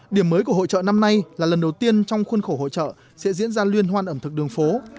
điểm mới của hội trợ năm nay là lần đầu tiên trong khuôn khổ hội trợ sẽ diễn ra liên hoan ẩm thực đường phố